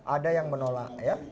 ada yang menolak